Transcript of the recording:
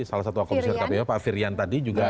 salah satu akomisi rkpu pak firian tadi juga